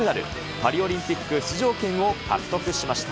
パリオリンピック出場権を獲得しました。